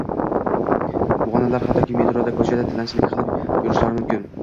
Bu onalar hattoki metroda, koʻchada tilanchilik qilib yurishlari mumkin.